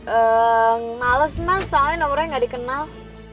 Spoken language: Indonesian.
eee malas mas soalnya nomernya gak dikenal